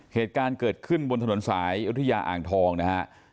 เหตุการณ์เกิดขึ้นบนถนนสายอยุธยาอ่างทองนะฮะ